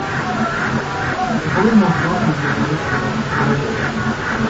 Desde joven mostró inquietudes por la escena teatral.